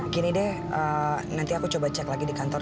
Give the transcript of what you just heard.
gini deh nanti aku coba cek lagi di kantor